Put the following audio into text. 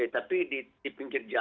tapi di pinggir pinggir rumah sakit